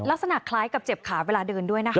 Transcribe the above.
ลักษณะคล้ายกับเจ็บขาเวลาเดินด้วยนะคะ